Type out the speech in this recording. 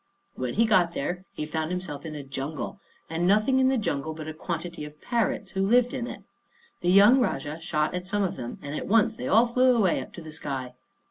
When he got there, he found himself in a jungle, and nothing in the jungle but a quantity of parrots, who lived in it. The young Rajah shot at some of them, and at once they all flew away up to the sky.